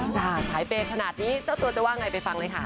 ถ่ายเบนขนาดนี้เจ้าตัวจะว่าอยากฟังเลยค่ะ